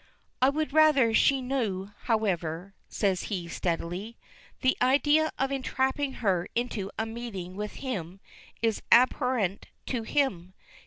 "I would rather she knew, however," says he steadily. The idea of entrapping her into a meeting with him is abhorrent to him.